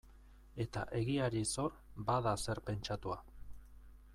Eta egiari zor, bada zer pentsatua.